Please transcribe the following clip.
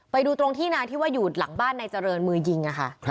ไปดูตรงที่นาที่ว่าอยู่หลังบ้านนายเจริญมือยิงค่ะ